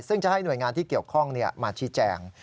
ซึ่งจะให้หน่วยงานที่เกี่ยวข้องมาชี้แจง